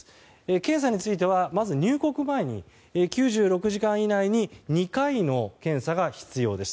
検査については、まず入国前に９６時間以内に２回の検査が必要です。